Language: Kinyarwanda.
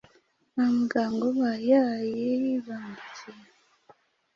nta muganga uba yayibandikiye